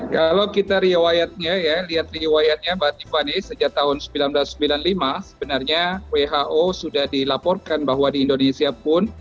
kalau kita riwayatnya ya lihat riwayatnya mbak tiffany sejak tahun seribu sembilan ratus sembilan puluh lima sebenarnya who sudah dilaporkan bahwa di indonesia pun